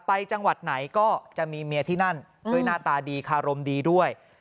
จังหวัดไหนก็จะมีเมียที่นั่นด้วยหน้าตาดีคารมดีด้วย